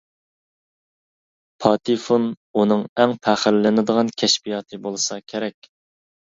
پاتېفون ئۇنىڭ ئەڭ پەخىرلىنىدىغان كەشپىياتى بولسا كېرەك.